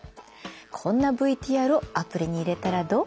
こんなＶＴＲをアプリに入れたらどう？